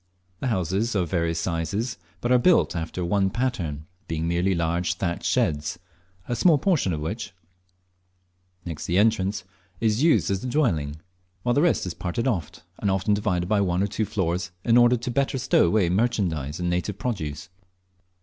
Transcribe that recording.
The houses are of various sizes, but are all built after one pattern, being merely large thatched sheds, a small portion of which, next the entrance, is used as a dwelling, while the rest is parted oft; and often divided by one or two floors, in order better to stow away merchandise and native produce.